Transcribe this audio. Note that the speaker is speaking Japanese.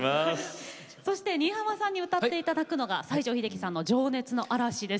そして新浜さんに歌って頂くのが西城秀樹さんの「情熱の嵐」です。